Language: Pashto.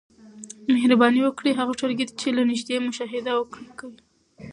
مهرباني وکړئ هغه ټولګي چي له نیژدې مشاهده کوی